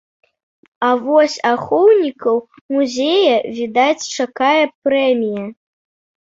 А вось ахоўнікаў музея, відаць, чакае прэмія.